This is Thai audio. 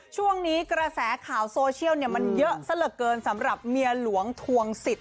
ช่วงนี้กระแสข่าวโซเชียลมันเยอะซะเหลือเกินสำหรับเมียหลวงทวงสิทธิ